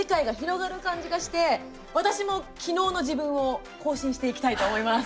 あと共通のね、会話とか世界が広がる感じがして私も昨日の自分を更新していきたいと思います。